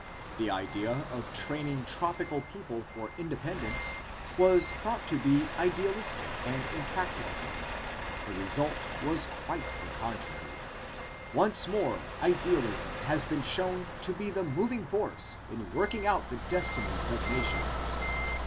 The idea of training tropical people for independence was thought to be idealistic and impracticable. The result was quite to the contrary. Once more idealism has been shown to be the moving force in working out the destinies of nations.